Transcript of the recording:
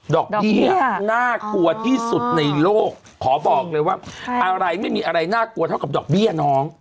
ดอกเบี้ยน่ากลัวที่สุดในโลกขอบอกเลยว่าอะไรไม่มีอะไรน่ากลัวเท่ากับดอกเบี้ยน้อง